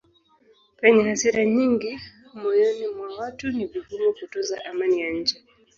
Penye hasira nyingi moyoni mwa watu ni vigumu kutunza amani ya nje.